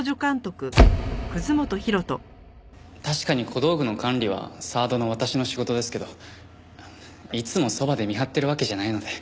確かに小道具の管理はサードの私の仕事ですけどいつもそばで見張ってるわけじゃないので。